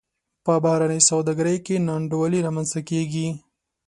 په بهرنۍ سوداګرۍ کې نا انډولي رامنځته کیږي.